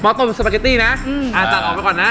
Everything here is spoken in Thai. ต้มสปาเกตตี้นะตัดออกไปก่อนนะ